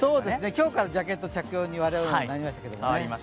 今日からジャケット着用に我々もなりましたけどね。